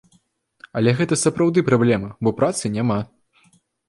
Але гэта сапраўды праблема, бо працы няма.